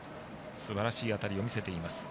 すばらしい当たりを見せています。